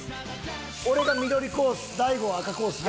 俺が緑コース